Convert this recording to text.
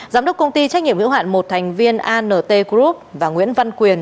giám đốc công ty trách nhiệm hữu hạn một thành viên ant group và nguyễn văn quyền